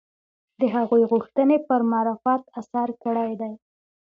د هغوی غوښتنې پر معرفت اثر کړی دی